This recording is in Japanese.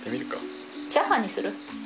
チャーハンにする？